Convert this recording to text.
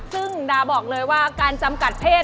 ซึ่งดาบอกเลยว่าการจำกัดเพศ